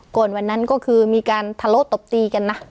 วันนั้นก็คือมีการทะเลาะตบตีกันนะ